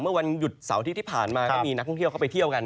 เมื่อวันหยุดเสาร์อาทิตย์ที่ผ่านมาก็มีนักท่องเที่ยวเข้าไปเที่ยวกัน